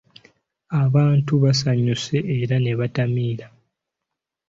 Abantu baasanyuse era ne batamiira.